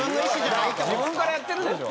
自分からやってるでしょ。